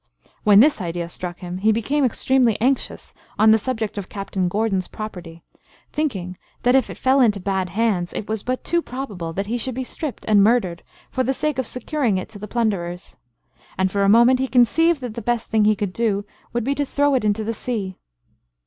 When this idea struck him, he became extremely anxious on the subject of Captain Gordon's property, thinking that if he fell into bad hands, it was but too probable that he should be stripped and murdered, for the sake of securing it to the plunderers; and for a moment he conceived that the best thing he could do, would be to throw it into the sea.